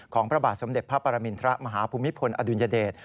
พระบาทสมเด็จพระปรมินทรมาฮภูมิพลอดุลยเดช